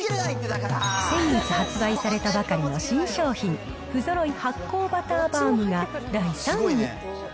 先月発売されたばかりの新商品、不揃い発酵バターバウムが第３位。